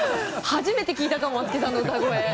初めて聴いたかも松木さんの歌声。